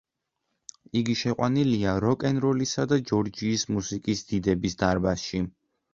იგი შეყვანილია როკ-ენ-როლისა და ჯორჯიის მუსიკის დიდების დარბაზში.